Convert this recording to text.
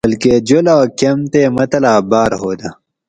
بلکہ جولاگ کۤم تے مطلب باۤر ہودہ